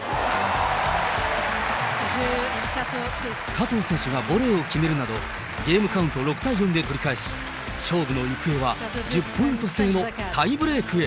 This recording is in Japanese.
加藤選手がボレーを決めるなど、ゲームカウント６対４で取り返し、勝負の行方は１０ポイント制のタイブレークへ。